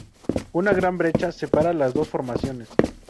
Una gran brecha separa las dos formaciones.